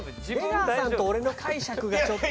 出川さんと俺の解釈がちょっと。